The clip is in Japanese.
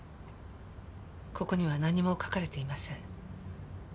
ここには何も書かれていません。